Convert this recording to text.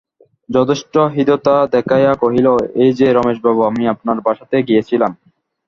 যথেষ্ট হৃদ্যতা দেখাইয়া কহিল, এই-যে রমেশবাবু, আমি আপনার বাসাতেই গিয়াছিলাম।